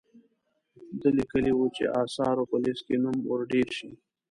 ده لیکلي وو چې آثارو په لیست کې نوم ور ډیر شي.